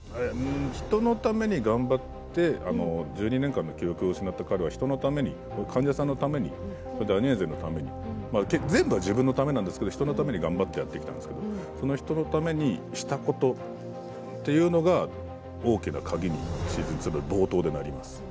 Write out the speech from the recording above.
人のために頑張って１２年間の記憶を失った彼は人のために患者さんのためにアニェーゼのために全部は自分のためなんですけれども、人のために頑張ってやってきたんですけど人のためにしたことというのが大きな鍵にシーズン２の冒頭でなります。